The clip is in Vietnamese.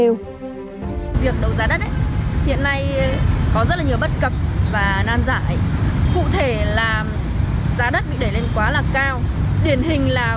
hơn nữa là làm